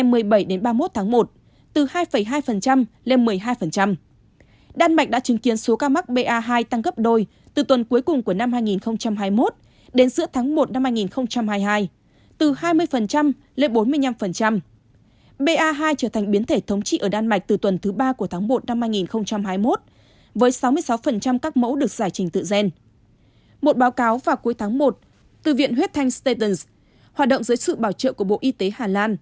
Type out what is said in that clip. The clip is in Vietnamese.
một báo cáo vào cuối tháng một từ viện huyết thanh statens hoạt động dưới sự bảo trợ của bộ y tế hà lan